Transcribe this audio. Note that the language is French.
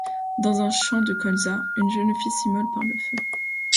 Dans un champ de colza, une jeune fille s'immole par le feu.